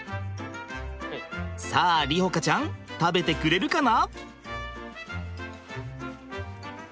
さあ梨穂花ちゃん食べてくれるかな？